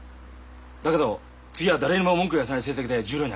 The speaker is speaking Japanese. だけど次は誰にも文句言わせない成績で十両に上がる。